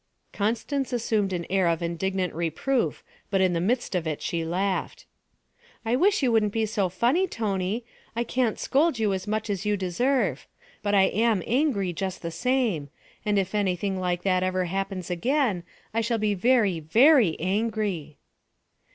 Constance assumed an air of indignant reproof, but in the midst of it she laughed. 'I wish you wouldn't be so funny, Tony; I can't scold you as much as you deserve. But I am angry just the same, and if anything like that ever happens again I shall be very very angry.'